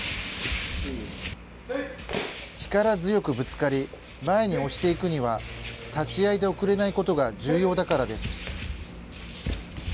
力強くぶつかり前に押していくには立ち合いで遅れないことが重要だからです。